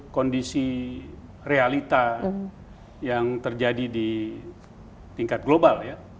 kondisi realita yang terjadi di tingkat global